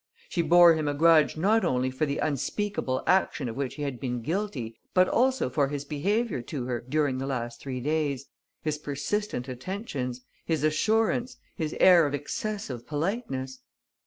She bore him a grudge not only for the unspeakable action of which he had been guilty, but also for his behaviour to her during the last three days, his persistent attentions, his assurance, his air of excessive politeness.